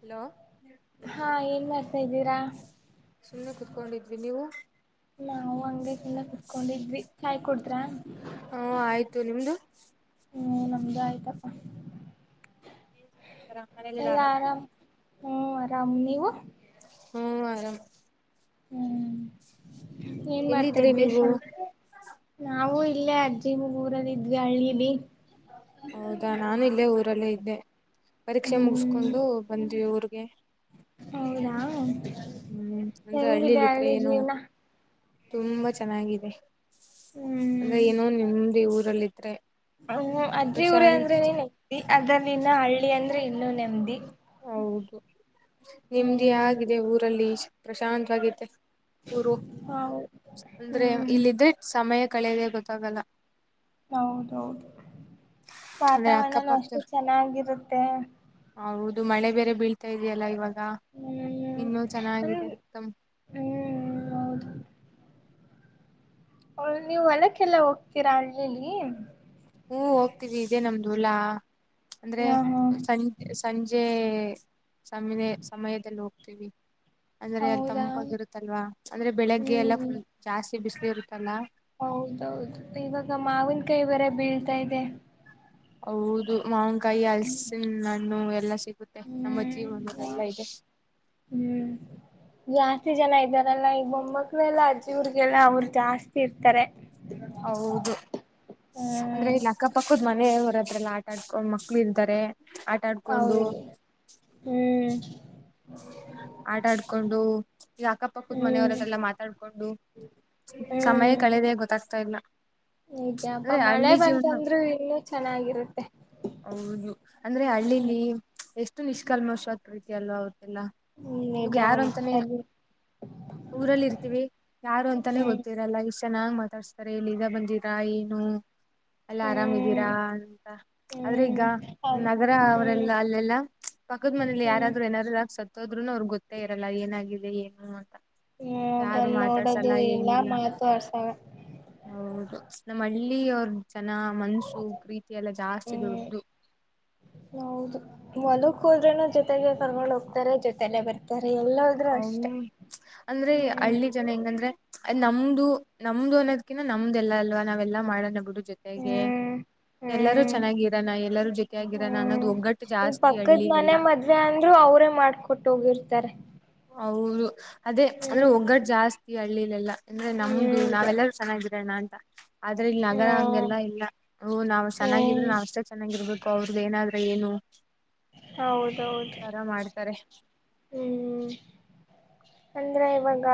Hello ಹಾ ಏನ್ ಮಾಡ್ತಾ ಇದ್ದೀರಾ ಸುಮ್ಮನೆ ಕೂತ್ಕೊಂಡಿದ್ವಿ ನೀವು ನಾವು ಹಂಗೆ ಸುಮ್ಮನೆ ಕುತ್ಕೊಂಡಿದ್ವಿ ಚಾಯ್ ಕುಡ್ದ್ರಾ ಹ್ಮ ಆಯ್ತು ನಿಮ್ದು ಹ್ಞೂ ನಮ್ದಕ ಆಯ್ತಪ್ಪ ಏನ್ ಸಮಾಚಾರ ಮನೆಯಲ್ಲಿ ಎಲ್ಲ ಆರಾಮ ಆರಾಮ್ ಹ್ಮ್ ಆರಾಮ್ ನೀವು ಹ್ಮ ಆರಾಮ್ ಹ್ಮ್, ಏನ್ ಮಾಡ್ತಾ ಎಲ್ಲಿದ್ರಿ ಇದ್ರಿ ನೀವು ಸ್ಲ್ಪ [unintelligible] ನಾವು ಇಲ್ಲೇ ಅಜ್ಜಿ ಊರಲ್ಲಿ ಇದ್ವಿ ಹಳ್ಳಿಲ್ಲಿ. ಹೌದಾ, ನಾನು ಇಲ್ಲೇ ಊರಲ್ಲೇ ಇದ್ದೆ. ಪರೀಕ್ಷೆ ಹ್ಮ್ ಮುಗಸ್ಕೊಂಡು ಬಂದ್ವಿ ಊರ್ಗೆ. ಹೌದಾ,, ಹ್ಮ್, ಅಂದ್ರ ಹೆಂಗಿದೆ ಹಳ್ಳಲಿ ಇದ್ರೆ ಹಳ್ಳಿ ಏನು ಜೀವನ ತುಂಬಾ ಚೆನ್ನಾಗಿದೆ. ಹ್ಮ್ ಅಂದ್ರೆ ಏನೋ ನೆಮ್ಮದಿ ಊರಲ್ಲಿ. ಹ್ಮ್, ಅಜ್ಜಿ ಊರ ಅಂದ್ರೆನೆ ನೆಮ್ದಿ. ಅದರಲ್ಲಿನ ಹಳ್ಳಿ ಅಂದ್ರೆ ಇನ್ನುೂ ನೆಮ್ಮದಿ. ಹೌದು. ನಿಮ್ದಿ ಹ್ಮ್ ಆಗಿದೆ ಊರಲ್ಲಿ ಪ್ರಶಾಂತವಾಗತ್ತೆ. ಊರು. ಹೌದು ಅಂದ್ರೆ ಹ್ಮ್ ಇಲ್ಲಿದ್ರೆ ಸಮಯ ಕಳೆಯದೆ ಗೊತ್ತಾಗಲ್ಲ. ಹೌದೌದು. ಅಂದ್ರೆ ವಾತಾವರಣ ಅಷ್ಟು ಅಕ್ಕಪಕ್ಕದವ್ರು ಚೆನ್ನಾಗಿರುತ್ತೆ. ಇದು ಮಳೆ ಬೇರೆ ಬೀಳ್ತಾ ಇದೆಯಲ್ಲ ಇವಾಗ. ಹ್ಮ್ ಇನ್ನು ನನ್ ಚೆನ್ನಾಗಿದೆ ತ ಹ್ಮ್ ಹ, ನೀವು್ಹೊಲಕ್ಕೆಲ್ಲ ಹೋಗ್ತೀರಾ ಹಳ್ಳೀಲಿ., ಹೂ, ಹೋಗ್ತವಿ ಇದೆ ನಮ್ದು ಹೋಲ ಅಂದ್ರೆ ಹಾ ಹಾ ಸಂಜ ಸಂಜೆ ಸಮನೆ [unintelligible] ಸಮಯದಲ್ಲಿ ಹೋಗ್ತೀವಿ. ಅಂದ್ರೆ ಅಲ್ಲಿ ಹೌದಾ ತಂಪಾಗಿರುತ್ತಲ್ವಾ ಅಂದ್ರೆ ಬೆಳಿಗ್ಗೆ ಎಲ್ಲ ಹ್ಮ್ ಫುಲ್ ಜಾಸ್ತಿ ಬಿಸಿಲುಇರುತ್ತಲ್ಲ. ಹೌದೌದು,. ಇವಾಗ ಮಾವಿನ ಕಾಯಿಬೇರೆ ಬೀಳ್ತಾ ಇದೆ. ಹೌದು, ಮಾವನ್ಕಾಯಿ ಹಲಸಿನ ಹಣ್ಣು ಎಲ್ಲಾ ಸಿ ಆಗುತ್ತೆ ನಮ್ಮ ಹ್ಮ್ ಜೀವನದೆಲ್ಲ ಇದೆ [unintelligible] ಹ್ಮ್ ಜಾಸ್ತಿ ಜನ ಇದ್ದಾರಲ್ಲಾ ಈ ಬೊಮ್ಮಕ್ಳ ಎಲ್ಲ ಅಜ್ಜಿವ್ರಗೆಲ್ಲ ಅವರು ಜಾಸ್ತಿ ಇರ್ತಾರೆ. ಹೌದು. ಅಂದ್ರೆ ಹ್ಮ್ ಇಲ್ಲಿ ಅಕ್ಕಪಕ್ಕದ್ ಮನೆ ಹೊರದ್ರಲ್ಲ ಆಟ ಆಡ್ಕೊಂಡ್ ಮಕ್ಳು ಇರ್ತಾರೆ. ಆಟ ಆಡ್ಕೊಂಡು ಹೌದು, ಹ್ಮ್ ಆಟ ಆಡ್ಕೊಂಡು ಈಗ ಅಕ್ಕಪಕ್ಕದ ಹ್ಮ್ ಮನೆಯವರೆಲ್ಲ ಮಾತಾಡ್ಕೊಂಡು. ಸಮಯ ಕಳೆದ ಗೊತ್ತಾಗ್ತಾ ಇಲ್ಲ. ನಿಜ ಅಪ್ಪ ಅಂದ್ರೆ ಮಳೆ ಹಳ್ಳಿ ಜೀವನ ಬಂತಂದ್ರು ಇನ್ನು ಚೆನ್ನಾಗಿರುತ್ತೆ. - ಹೌದು, ಅಂದ್ರೆ ಹಳ್ಳಿಲಿ ಎಷ್ಟು ನಿಷ್ಕಲ್ಮಶವಾದ ಪ್ರೀತಿಅಲ್ಲ ಅವ. ಎಲ್ಲ ಇವಗ ನಿಜ ಯಾರ ಅಂತಾನೆ [unintelligible] ಅದು ಊರಲ್ಲಿ ಇರ್ತೀವಿ ಯಾರು ಅಂತಾನೆ ಹ್ಮ್ ಗೊತ್ತಿರಲ್ಲ. ಇಷ್ಟ ಚೆನ್ನಾಗ್ ಮಾತಾಡ್ಸ್ತಾರೆ ಇಲ್ಲ ಬಂದಿರಾ ಏನು ಎಲ್ಲ ಹ್ಮ್ ಆರಾಮಿದೀರಾ ಅಂತ. ಆದ್ರೆ ಹ್ಮ್ ಈಗ ಹೌದು ನಗರ ಹ್ಮ್ ಅವರೆಲ್ಲ ಅಲ್ಲೆಲ್ಲಾ ಪಕ್ಕದ ಮನೇಲಿ ಹ್ಮ್ ಯಾರಾದ್ರೂ ಏನಾರಲ್ ಸತ್ತ ಹೋದ್ರುನು ಅವ್ರಿಗೆ ಗೊತ್ತೇ ಇರಲ್ಲ ಏನಾಗಿದೆ ಏನು ಅಂತ. ಹ್ಮ್ ಯಾರು ಬಂದ್ ನೋಡೋದು ಮಾತಾಡ್ಸಲ್ಲ ಇಲ್ಲ ಏನಿಲ್ಲ. ಮಾತು ಆಡ್ಸವ ಹೌದು ನಮ್ಮ- ಇಲ್ಲಿ ಅವ್ರ ಜನ ಮನ್ಸು ಪ್ರೀತಿಯ ಎಲ್ಲ ಜಾಸ್ತಿ ಹ್ಮ್, ದೊಡ್ಡದು ಹೌದು ಹೊಲ ಹೋದ್ರನು ಜೊತೆಗೆ ಕರ್ಕೊಂಡ್ ಹೋಗ್ತಾರೆ ಜೊತೆಲ್ಲೇ ಬರ್ತಾರೆ. ಎಲ್ಲೋದ್ರು ಹ ಅಷ್ಟೆ ಅಂದ್ರೆ ಹ್ಮ್ ಹಳ್ಳಿ ಜನ ಹೆಂಗಂದ್ರೆ, ನಮ್ದು- ನಮ್ದು ಅನ್ನೋದ್ಕಿನ್ನ ನಮ್ದು ಎಲ್ಲ ಅಲ್ವಾ ನಾವೆಲ್ಲಾ ಮಾಡೋಣ ಬಿಡು ಜೊತೆಗೆ ಹ್ಮ್ ಎಲ್ಲರೂ ಹ್ಮ್ ಚೆನ್ನಾಗಿರಾನ ಎಲ್ಲರೂ ಜೊತೆಯಾಗಿರಣ ಹ್ಮ್ ಅನ್ನೋದು ಒಗ್ಗಟ್ಟು ಜಾಸ್ತಿ ಹಳ್ಳಲಿಎಲ್ಲ. ಅವ್ರೇ ಮಾಡ್ಕೊಟ್ಟ ಹೋಗಿರ್ತಾರೆ. ಹೌದು, ಅದೇ ಅಂದ್ರೆ ಹ್ಮ್ ಒಗ್ಗಟ್ಟ ಜಾಸ್ತಿ ಹಳ್ಳಿಲೆಲ್ಲ. ಅಂದ್ರೆ ನಮ್ದು ಹ್ಮ್ ನಾವೆಲ್ಲರೂ ಚೆನ್ನಾಗಿರಣ್ಣ ಅಂತ. ಆದ್ರೆ ಇಲ್ಲಿ ನಗರ ಹ್ಮ್ ಹಂಗೆಲ್ಲ ಇಲ್ಲ. ನಾವ್ಚೆನ್ನಾಗಿದ್ರೆ ಹ್ಮ್ ನಾವ ಅಷ್ಟೇ ಚೆನ್ನಾಗಿರ್ಬೇಕು ಅವ್ರದ ಏನಾದ್ರು ಏನು ತರ ಮಾಡ್ತಾರೆ [unintelligible] ಹ್ಞೂ, ಅಂದರೆೆ ಇವಾಗ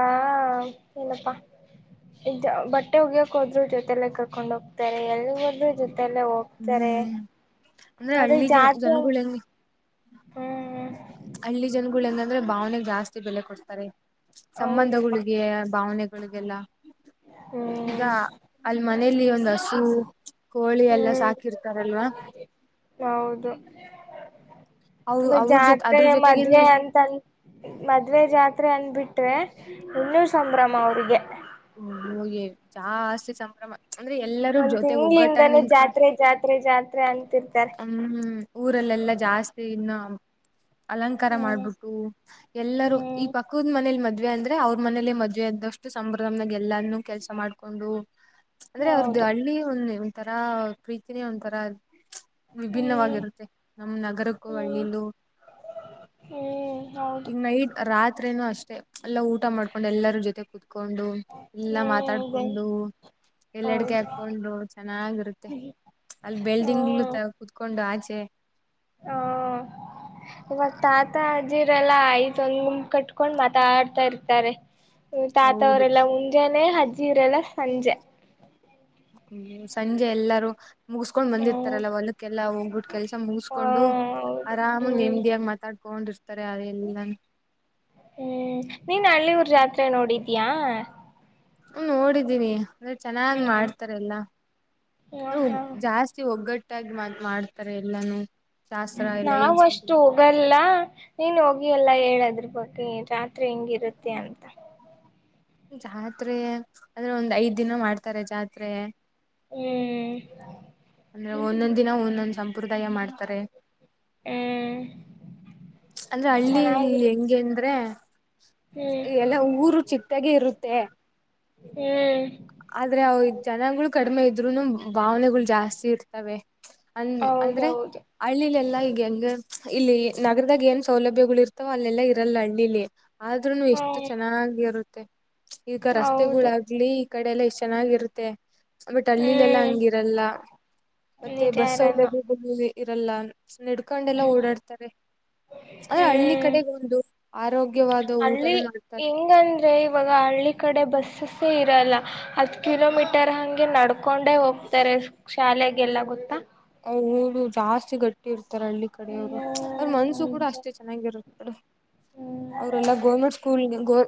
ಏನಪ್ಪಾ ಬಟ್ಟೆ ಹೋಗ್ಯಕೋದ್ರು ಜೊತೆಲ್ಲೆ ಕರ್ಕೊಂಡ್ ಹೋಗ್ತಾರೆ. ಎಲ್ಲ ಹೋದ್ರೂ ಜೊತೆ ಜೊತೆಯಲ್ಲೆ ಹೋಗ್ತಾರೆ. ಹ್ಮ್ ಅಂದ್ರೆ ಅದ್ರ ಹಳ್ಳಿ ಜ ಜಾತ್ ಜನಗಳು ಹೆಂಗ ಹ್ಮ್ ಹಳ್ಳಿ ಜನಗಳು ನಂದ್ರೆ ಭಾವನೆಗ್ ಜಾಸ್ತಿ ಬೆಲೆ ಕೊಡ್ತಾರೆಳ ಹೌದಪ್ಪಾ ಸಂಬಂಧಗಳಿಗೆ ಭಾವನೆಗ್ ಿಗೆಲ್ಲ ಈಗ ಹ್ಮ್ ಅಲ್ಲಿ ಮನೇೆಯಲ್ಲಿ ಒಂದು ಹಸು ಕೋಳಿ ಎಲ್ಲ ಹ್ಮ್ ಸಾಕಿರ್ತಾರಲ್ವಾ ಹೌದು ಅವ್ ಮ ಅವ್ರ ಜೊತೆ ಜಾತ್ರೆ ಅದ್ರ ಜೊತೆಗೇನೆ ಮದ್ವೆ ಅಂತ ಮದ್ವೆ ಜಾತ್ರೆ ಹತ್ರೆ ಅನ್ಬಿಟ್ರೆ ಇನ್ನೂ ಸಂಭ್ರಮ ಅವ್ರಿಗೆ ಹ್ಮ ಹೋಗಗೆ ಜಾಸ್ತಿ ಸಂಭ್ರಮ ಅಂದ್ರೆ ಎಲ್ಲಾರೂ ಒಂದ್ ಜೊತೆಗ್ ಒಗ್ಗಟ್ಟಂಗ ತಿಂಗಳಿಂದಾನೇ ನಿಂತಕ ಜಾತ್ರೆ ಜಾತ್ರೆ ಜಾತ್ರೆ ಅಂತಿರ್ತಾರೆ ಹ ಊರೆಲ್ಲ ಎಲ್ಲಾ ಜಾಸ್ತಿ ಇನ್ನು ಅಲಂಕಾರ ಹ್ಮ್ ಮಾಡ್ಬಿಟ್ಟು ಎಲ್ಲರೂ ಈ ಹ್ಮ್ ಪಕ್ಕವದ್ ಮನೇಲಿ ಮದ್ೆ ಮದ್ವೆ ಅಂದ್ರೆ ಅವ್ರ ಮನೇಲೆೇ ಮದ್ವೆ ಇದ್ದಷ್ಟು ಸಂಭ್ರದಮ್ನಾಗ ಎಲ್ಲೂ ಕೆಲ್ಸ ಮಾಡ್ಕೊಂಡು ಅಂದ್ರೆ ಅವ್ರದ್ದು ಹೌದು ಹಳ್ಳಿ ಒಂದ ಒಂ ತರಾ ಪ್ರೀತಿನೇ ಒಂದಂತರ ಹ್ಮ್ ವಿಭಿನ್ನವಾಗಿರುತ್ತೆ ನಮ ನಗರಕ್ಕೂ ಹ್ಮ್ ಒಳ್ಳೀಲುೂ ಹ್ಮ್ ಹೌದು ಈಗ ನೈಟ್ ರಾತ್ೇನನು ಅಷ್ಟೆ ಎಲ್ಲ ಊಟ ಮಾಡ್ಕೊಂಡು ಎಲ್ಲರ ಜೊತೆ ಕುೂತ್ಕೊಂಡು ಕೊಂಡು ಎಲ್ಲಾ ಹ್ಮ್ ಅದೇ ಮಾತಾಡ್ಕೊಂಡು ಎಲ್ಲ ಅಡ್ಗೆ ಹೌದು ಹಾಕೊಂಡು ಚೆನ್ನಾಗಿರುತ್ತೆ ಅಲ್ಲಿ ಬಿಲ್ಡಿಂಗ್ಗಳು ಹ್ಮ್ ಕುೂತ್ಕೊಂಡು ಆಚೆ ಹ ಇವಾಗ ತಾತ ಅಜಿ ಇದೆಲ್ಲ ಐತ್ೊಂದ ಕಟ್ಕೊಂಡ್ ಮಾತಾಡ್ತಾ ಇರ್ತಾರೆ ್ಮ ಹೌದು ತಾತವರೆಲ್ಲಾ ಮುಂಜಾನೆ ಅಜ್ಜಿರೆೆಲ್ಲ ಸಂಜೆ ಹ್ಮ ಸಂಜೆ ಎಲ್ಲರೂ ಮುಗಸ್ಕೊಂಡ್ ಹ್ಮ್ ಬಂದಿರ್ತಾರಲ್ಲ ಒಲ್ಕ್ಕೆ ಎಲ್ಲಾ ಹೋಗ್ಬಿಟ್ಟು ಕೆಲ್ಸ ಹ ಮುಗಿಸ್ಕೊಂಡು ಹೌದು ಆರಾಮ ಹ್ಮ್ ನಿಮಡಿಿಯಗ ಮಾತಾಡ್ ಹ್ಮ್ ನೀನ್ ಹಳ್ಳಿ ಊರ್ ಜಾತ್ರೆ ನೋಡಿದಯಾ ಹ್ಮ ಓಡಿದ್ದೀನಿ ಅಂದ್ರೆ ಚೆನ್ನಾಗ್ ಹ್ಮ್ ಮಾಡ್ತಾರೆಲ್ಲ ಹ ಹಾ ಜಾಸ್ತಿ ಒಗ್ಗಟ್ಟ ಟ್ಟಾಗಿ ಮಾಡ್ತಾರೆ ಎಲ್ಲಾನೂ ನಾವ ಅಷ್ಟು ಹೋಗಲ್ಲ ನೀನ್ ಹೋಗಿ ಎಲ್ಲಾ ಹೇಳದ್ರ ಬಗ್ಗೆಾತ್ ಮಾ ಹೆಂಗಿರುತ್ತೆ ಅಂತ ಜಾತ್ರೆಯ ಅಂದ್ರೆ ಒಂದ್ ಐದ್ ದಿನ ಮಾಡ್ತಾರೆ ಜಾತ್ರೆೆಯ ಹ್ಮ್ ಅಂದ್ರೆ ಒಂದೊಂದ ದಿನ ಒಂದೊಂದ್ ಸಂಪ್ರದಾಯ ಮಾಡ್ತಾರೆ ಹ್ಮ್ ಅಂದ್ರೆ ಹಳ್ಳಿ ಚೆನ್ನಾಗಿರುತ್ತೆ ಹೆಂಗಗೆ ಅಂದ್ರೆ ಎಲ್ಲ ಊರು ಚಿಕ್ಕಾಗ ಇರುತ್ತೆ ಹ್ಮ್ ಆದ್ರೆ ಜನಗಳು ಕಡಿಮೆ ಇದ್ರುನು ಭಾವನೆಗಳು ಜಾಸ್ತಿ ಇರ್ತವೆ ಅ ಅಂದ್ರೆ ಹೌದೌದು ಹಳ್ಳಿಲಿ ಎಲ್ಲಾ ಈಗ ಹೆಂಗ ಇಲ್ಲಿ ನಗರದಾಗ ಏನ್ ಸೌಲಭ್ಯಗಳು ಇರ್ತವೋ ಅಲ್ಲೆಲ್ಲಾ ಇರಲ್ಲ ಹಣಿಲಿ ಆದ್ರೂನು ಎಷ್ಟು ಹ್ಮ್ ಚೆನ್ನನ್ನಾಗಿರುತ್ತೆ ಈಗ ಹೌದು ರಸ್ತೆಗಳಾಗ್ಲಿ ಕಡೆ ಎಲ್ಲ ಇಷ್ಟು ಚೆನ್ನಾಗಿರುತ್ತೆ ಬಟ್ ಅಲ್ಲಿಲ್ಲ ಎಲ್ಲಾ ಹ್ಮ್ ಹಂಗಿರಲ್ಲ ಮತ್ತೆ ಬಸ್ ನಿಜಾರಮ್ಮ ಸೌಲಭ್ಯ ಇರಲ್ಲ ನೆಡ್ಕೊಂಡೆಲ್ಲಾ ಓಡಾಡ್ತಾರೆ ಅದ ಹಳ್ಳಿ ಹ್ಮ್ ಕಡೆಗ ಒಂದು ಆರೋಗ್ಯವಾದ ಹಳ್ಳಿ ಊಟನೂ ಮಾಡ್ತಾನೆ ಹೆಂಗಂದ್ರೆ ಇವಾಗ ಹಳ್ಳಿ ಕಡೆ ಬಸ್ಸಸ್ೇ ಇರಲ್ಲ ಹತ್ತು ಕಿಲೋಮೀಟರ್ ಹಗೆ ನಡ್ಕೊಂಡೆ ಹೋಗ್ತಾರೆ ಶಾಲೆ ಗೆ ಎಲ್ಲ ಗೊತ್ತಾ ಹ ಊದು ಜಾಸ್ತಿ ಗಟ್ಟಿ ಇರ್ತ ತ ಹಳ್ಳಿ ಕಡೆಯವ್ರು ಅವ್ರ ಹ್ಮ್ ಮನ್ಸು ಕೂಡ ನಿಜ ಅಷ್ಟೇ ಚೆನ್ನಾಗಿರುತ್ತ ಕಡ ಹ್ಮ್ ಅವ್ರೆಲ್ಲ ಗೋರ್ಮೆಂಟ್ ಸ್ಕೂಲ್ ಗೋ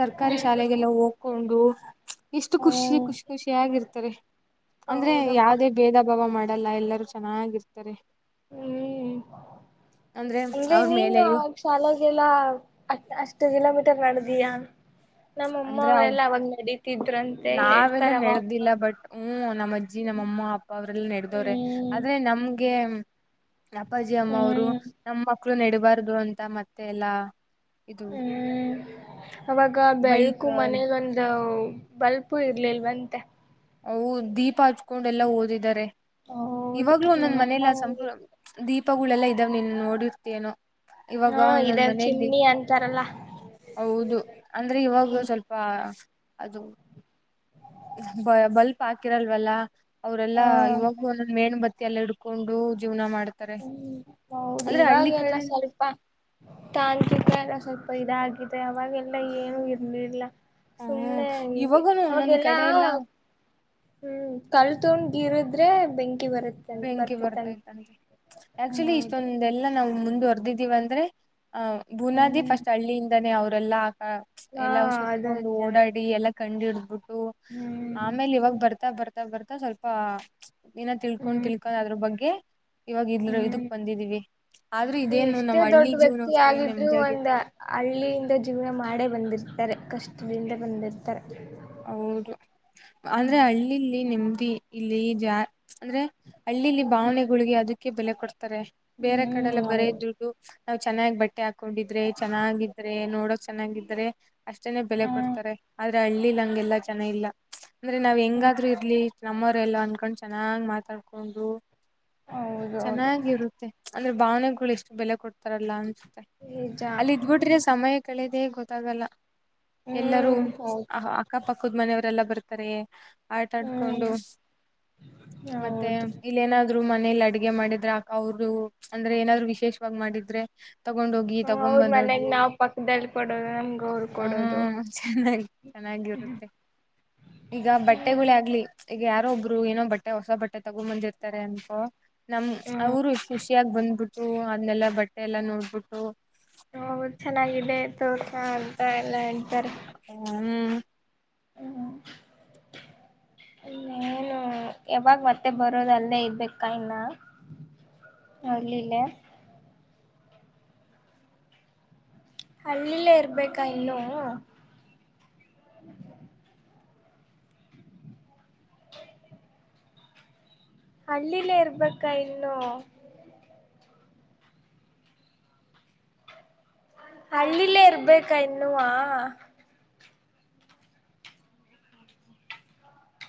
ಸರ್ಕಾರಿ ಶಾಲೆಗೆಲ್ಲ ಹೋಗ್ಕೊಂಡು ಎಷ್ಟು ಖುಷಿ ಹ್ಮ್ ಖುಷಿ ಖುಷಿ ಆಗಿರ್ತ ಅಂದ್ರೆ ಹೌದಪ್ಪ ಯಾವದೇ ಭೇದ ಭಾವ ಮಾಡಲ್ಲ ಎಲ್ಲರೂ ಚೆನ್ನಾಗಿರ್ತಾರೆ ಹ್ಮ್ ಅಂದ್ರೆ ಅವ್ರ ನೀನ್ ಮೇಲೆಯೂ ಅವಾಗ ಶಾಲಾಗೆಲ್ಲಾ ಅಷ್ಟ ಹತ್ತು ಕಿಲೋಮೀಟರ್ ನಡೆದಯ ನಮ್ಮಮ್ಮ ಅಂದ್ರೆ ಅವ ಎಲ್ಲ ಅವಾಗ ನಡಿ ನಾವೆಲ್ಲ ನೆಡ್ದಿಲ್ಲ ಬಟ್ ಹ್ಮ ನಮ್ಮ್ ಅಜ್ಜಿ ನಮ್ಮಅಮ್ಮ ಅಪ್ಪ ಅವ್ರಲ್ಲಾ ನೆಡೆ್ದವ್ರೆ ಹ್ಮ್ ಆದ್ರೆ ನಮ್ ಹಾಗಗೆ ಅಪ್ಪಾಜಿ ಅಮ್ಮ ಅವರು ಹ್ಮ್ ನಮ್ಮ ಮಕ್ಕಳು ನೆಡಬಾರ್ದು ಅಂತ ಮತ್ತೆ ಎಲ್ಲಾ ಇದು ಹ್ಮ್ ಅವಾಗ ಬೈಕ್ ಬೆಳ್ಕು ಮನೇಗೊಂದು ಬಲ್ಪು ಇರ್ಲಿಲ್ವಂತೆ ಅವು ದೀಪ ಹಚ್ಕೊಂಡ ಎಲ್ಲ ಓದಿದಿದ್ದಾರೆ ಹೌದು ಇವಾಗ್ಲೂ ಒಂದೊಂದು ನಮ್ಮಮ್ಮ ಮನೆಯಲ್ಲಿ ಆ ಒಂದು ಸಂಪ್ರದಯ ದೀಪಗಳೆಲ್ಲ ಇದ್ದಾವ್ ನೀನು ನೋಡಿರ್ತೀನೋ ಇವಾಗ ಹಾ ಇದ ನನ್ ಮನೆಯಲ್ಲಿ ಚಿಮ್ನಿ ಅಂತಾರಲ್ಲ ಹೌದು ಅಂದ್ರೆ ಇವಾಗ ಹ್ಮ್ ಸ್ವಲ್ಪ ಅದು ಬ ಬಲ್ಪ್ ಹಾಕಿರಲ್ವಲ್ಲ ಅವ್ರೆಲ್ಲಾ ಹಾ ಇವಾಗ ಒಂದೊಂದು ಮೇಣದ ಬತ್ತಿ ಎಲ್ಲ ಹಿಡ್ಕೊಂಡು ಜೀವನ ಮಾಡ ಹ್ಮ್ ಹೌದು ಇವಾಗೆಲ್ಲ ಕಡೆ ಸ್ವಲ್ಪ ತಾಂತ್ರಿಕ ಎಲ್ಲ ಸ್ವಲ್ಪ ಇದಾಗಿದೆ ಅವಾಗೆಲ್ಲ ಏನು ಇರಲಿಲ್ಲ ಹ್ಮ್ ಸುಮ್ನೆ ಹಂಗೆ ಇವಾಗನು ಒಂದೊಂದ್ ಅವಾಗೆಲ್ಲಾ ಕಡೆ ಎಲ್ಲಾ ಹ್ಮ್ ಕಲ್ ತಗೊಂಡು ಗಿರದ್ರೆ ಬೆಂಕಿ ಬರ್ತ್ತ ಬೆಂಕಿ ಭರ್ತಿತಂತೆ ಬರ್ತೈತಂತೆ ಆಕ್ಚುಲಿ ಇಷ್ಟೊಂದೆಲ್ಲಾ ನಾವವು ಮುಂದುವರ್ದಿದ್ದೀವ ಅಂದ್ರೆ ಅಹ ಬುನಾದಿ ಹ್ಮ್ ಫಸ್ಟ್ ಹಳ್ಳಿಯಿಂದಾನೇ ಅವರೆಲ್ಲ ಹಾ ಎಲ್ಲ ಅದು ಸುತ್ಕೊಂಡು ನಿಜಾನೆ ಓಡಾಡಿ ಎಲ್ಲ ಕಂಡು ಹಡ್ಬಿಟ್ಟು ಹ್ಮ್ ಆಮೇಲೆ ಇವಾಗ ಬರ್ತಾ ಬರ್ತಾ ಬರ್ತಾ ಸ್ವಲ್ಪ ತಿಳ್ಕೊಂಡ್ ಹ್ಮ್ ತಿಳ್ಕೊಂಡ್ ಅದ್ರ ಬಗ್ಗೆ ಇವಾಗ ಇದ ಹ್ಮ್ ಇದಕ್ ಬಂದಿದೀವಿ ಆದ್ರೂ ನೀ ಇದೇನು ಎಷ್ಟೇ ನಮ್ಮ್ ದೊಡ್ಡ ಹಳ್ಳಿ ಜೀವನ ವ್ಯಕ್ತಿ ಅಷ್ಟೇ ಆಗಿದ್ರರು ನೆಮ್ಮದಿಯಾಗಿ ಒಂದ ಹಳ್ಳಿಯಿಂದ ಜೀವನ ಮಾಡೇ ಬಂದಿರ [unintelligible] ಕಷ್ಟದಿಂದ ಬಂದಿರ್ತಾರೆ ಹೌದು ಅಂದ್ರೆ ಹಳ್ಳಿಲಿ ನೆಮ್ಮದಿ ಇಲ್ಲಿ ಜ ಅಂದ್ರೆ ಹಳ್ಳಿಲ್ಲಿ ಭಾವನೆಗಳಿಗೆ ಅದಕ್ಕೆ ಬೆಲೆ ಕೊಡ್ತಾರೆ ಹತ ಬೇರೆ ಹ್ಮ್ ಕಡೆಲ್ಲ ಬರ ಹೌದು ದುಡ್ಡು ನಾವ್ ಚೆನ್ನಾಗಿ ಬಟ್ಟೆ ಹಾಕ್ ಹಕೊಂಡಿದ್ರೆ ಚೆನ್ನಾಗಿದ್ರೆ ನೋಡೋಕ್ ಚೆನ್ನಾಗಿದ್ರೆ ಅಷ್ಟೇನೆ ಬೆಲೆ ಹ್ಮ್ ಕೊಡ್ತಾರೆ ಆದ್ರೆ ಹಳ್ಳಿ ಗೆಲ್ಲಾ ಜನ ಇಲ್ಲ ಅಂದ್ರೆ ನಾವ್ ಹ್ಮ್ ಹೆಂಗಾದ್ರು ಇರ್ಲಿ ನಮ್ಮವರೆಲ್ಲ ಅನ್ಕೊಂಡ್ ಚೆನ್ನಾಗ್ ಮಾತಾಡ್ಕೊಂಡು ಹೌದೌದು ಚೆನ್ನಾಗಿರುತ್ತೆ ಅಂದ್ರೆ ಭಾವನೆಗಳು ಎಷ್ಟು ಬೆಲೆ ಕೊಡ್ತಾರಲ್ಲ ಅನ್ಸುತ್ತೆ ನಿಜ ಅಲ್ಲಿ ಹ್ಮ್ ಇದ್ಬಿಟ್ರೆ ಸಮಯ ಕಳೆದೆ ಗೊತ್ತಾಗಲ್ಲ ಎಲ್ಲರೂ ಹ್ಮ್ ಹೌದು ಅಕ್ಕಪದ್ಮನೆಯವರೆಲ್ಲಾ ಬರ್ತಾರ ಆಟ ಆಡ್ಕೊಂಡು ಹ್ಮ್ ಮತ್ತೆ ಹೌದು ಇಲ್ಲ ನ ಮನೇಲಿ ಅಡಗೆ ಮಾಡಿದ್ರೆ ಆ ಅವರು ಅಂದ್ರೆ ಏನಾದ್ರು ವಿಶೇಷವಾಗಿ ಮಾಡಿದ್ರೆ ತಗೊಂಡೋಗಿ ತಗೊಂಡ್ ಅವ್ರ ಮನೆಗ್ ಬಂದರೋದು ನಾವ್ ಪಕ್ಕದಲ್ಲಿ ಕೊಡೋದು ನಮ್ಗೆ ಅವ್ರು ಕೊಡೋದು ಹ್ಮ ಚೆನ್ನಾಗಿ ಚೆನ್ನಾಗಿರು ಮತ್ತೆ ಈಗ ಬಟ್ಟೆಗಳಿ ಹ್ಮ್ ಆಗ್ಲಿ ಈಗ ಯಾರೋ ಒಬ್ರು ಏನೋ ಬಟ್ಟೆ ಹೊಸ ಬಟ್ಟೆ ತಗೊ ಬಂದಿರ್ತಾರೆ ಅನ್ಕೋ ನಮ್ಮ ಅವರು ಖುಷಿಯಾಗಿ ಬಂದ್ಬಿಟ್ಟು ಅದನ್ನೆಲ್ಲ ಬಟ್ಟೆ ಎಲ್ಲ ನೋಡ್ಬಿಟ್ಟು ಹ ಚೆನ್ನಾಗಿದೆ ತುಕ ಅಂತ ಎಲ್ಲ ಹಂತಾರೆ ಹ್ಮ್ ಹ್ಮ ಏನು ಯಾವಾಗ ಮತ್ತೆ ಬರೋದ ಅಲ್ಲದೇ ಇದಬೇಕಾ ಇನ್ನ ಅಲ್ಲಿಲ್ಲ ಹಳ್ಳಿಲ್ಲೇ ಇರ್ಬೇಕಾ ಇನ್ನುೂ [inaudible] ಹಳ್ಳಿಲೇ ಇರ್ಬೇಕಾ ಇನ್ನು ಹಳ್ಳಿ ಲ್ಲೆ ಇರ್ಬೇಕಾ ಇನ್ನುವಾ